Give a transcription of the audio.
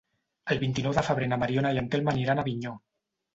El vint-i-nou de febrer na Mariona i en Telm aniran a Avinyó.